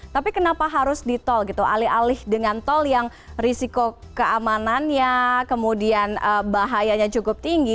tapi kenapa harus di tol gitu alih alih dengan tol yang risiko keamanannya kemudian bahayanya cukup tinggi